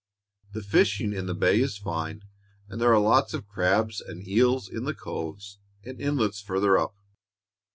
The fishing in the bay is fine, and there are lots of crabs and eels in the coves and inlets farther up.